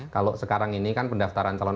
kalau sekarang ini kan pendaftaran calon